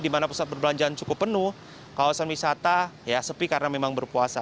di mana pusat perbelanjaan cukup penuh kawasan wisata ya sepi karena memang berpuasa